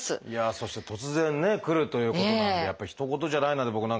そして突然ね来るということなんでひと事じゃないなって僕なんかは。